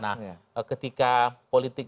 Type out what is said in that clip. nah ketika politik